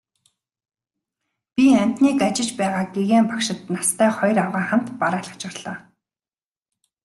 Би амьтныг ажиж байгааг гэгээн багшид настай хоёр авгайн хамт бараалхаж орлоо.